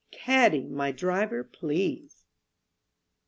Caddie, my driver, please.